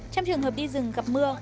trong trường hợp đi rừng gặp mưa